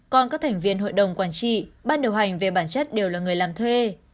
còn các thành viên hội đồng quản trị ban điều hành về bản chất đều là người làm thuê